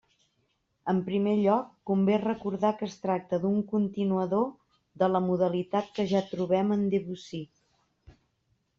En primer lloc, convé recordar que es tracta d'un continuador de la modalitat que ja trobem en Debussy.